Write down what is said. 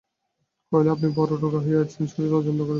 কহিল, আপনি বড়ো রোগা হইয়া গেছেন, শরীরের অযত্ন করিবেন না।